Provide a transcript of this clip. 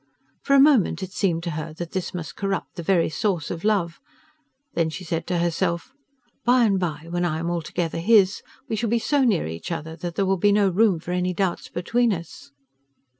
For a moment it seemed to her that this must corrupt the very source of love; then she said to herself: "By and bye, when I am altogether his, we shall be so near each other that there will be no room for any doubts between us."